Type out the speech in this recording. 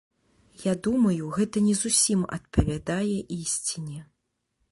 Я думаю, гэта не зусім адпавядае ісціне.